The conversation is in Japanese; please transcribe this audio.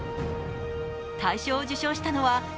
大賞を受賞したのはＨｅｙ！